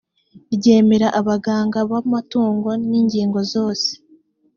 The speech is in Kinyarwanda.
ryemera abaganga b amatungo n ingingo zose